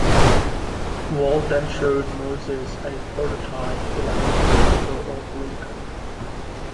Walt then showed Moses a prototype electronic figure of Lincoln.